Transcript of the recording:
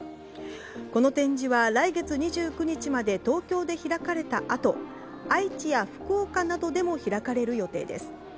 この展示は来月２９日まで東京で開かれたあと愛知や福岡などでも開かれる予定です。